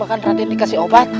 maka raden dikasih obat